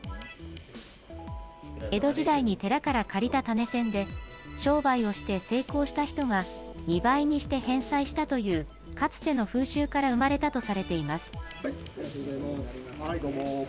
江戸時代に寺から借りた種銭で、商売をして成功した人が２倍にして返済したという、かつての風習から生まれたとされています。